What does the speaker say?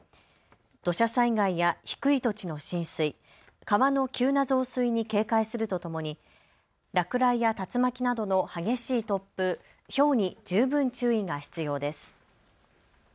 土砂災害や低い土地の浸水、川の急な増水に警戒するとともに落雷や竜巻などの激しい突風、ひょうに十分注意が必要です。